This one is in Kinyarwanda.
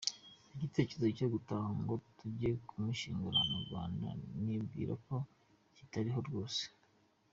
Icyo gitekerezo cyo gutaha ngo tujye kumushyingura mu Rwanda nibwira ko kitariho rwose.”